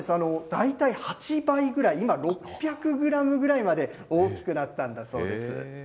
大体８倍くらい、今、６００グラムぐらいまで大きくなったんだそうです。